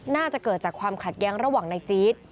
น่าจะเกิดจากความขัดแย้งระหว่างนายจี๊ด